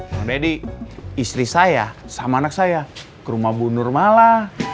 bang deddy istri saya sama anak saya ke rumah bu nur malah